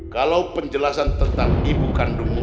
kalau penjelasan tentang ibu kandungmu